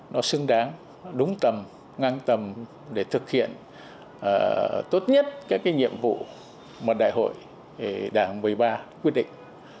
nó xứng đáng đúng tầm ngang tầm để thực hiện tốt nhất các cái nhiệm vụ mà đại hội đảng một mươi ba quyết định